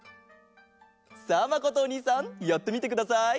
さあまことおにいさんやってみてください。